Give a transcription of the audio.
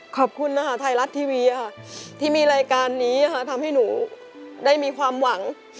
ขอบคุณนะคะไทยรัฐทีวีค่ะที่มีรายการนี้ทำให้หนูได้มีความหวัง